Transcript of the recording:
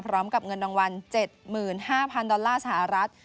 พร้อมกับเงินดังวัลเจ็ดหมื่นห้าพันดอลลาร์สหรัฐ